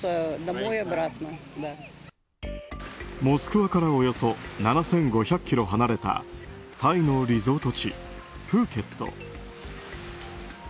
モスクワからおよそ７５００ｋｍ離れたタイのリゾート地、プーケット。